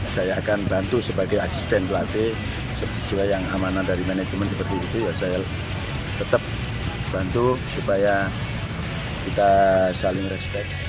saya akan bantu sebagai asisten pelatih sesuai yang amanah dari manajemen seperti itu ya saya tetap bantu supaya kita saling respect